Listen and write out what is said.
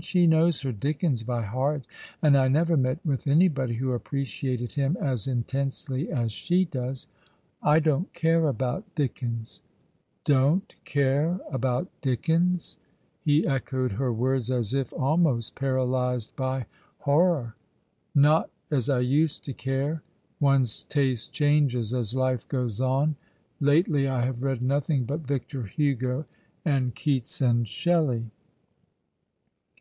She knows her Dickens by heart ; and I never met with anybody who appreciated him as in tensely as she does." "I don't care about Dickens." " Don't — care — about Dickens !" He echoed her words as if almost paralyzed by horror. *' Not as I used to care. One's taste changes as life goes on. Lately I have read notliing but Victor Hugo, and Keats, and Shelley."